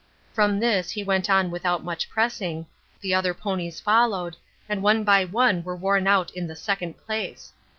From this he went on without much pressing, the other ponies followed, and one by one were worn out in the second place.